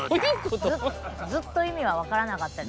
ずっと意味は分からなかったです。